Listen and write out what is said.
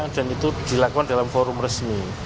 dan itu dilakukan dalam forum resmi